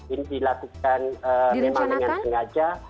ini dilakukan memang dengan sengaja